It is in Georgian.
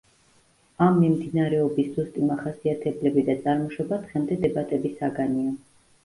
ამ მიმდინარეობის ზუსტი მახასიათებლები და წარმოშობა დღემდე დებატების საგანია.